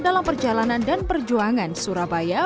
dalam perjalanan dan perjuangan surabaya